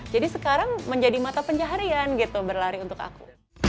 jadi sekarang menjadi mata pencaharian gitu berlari untuk aku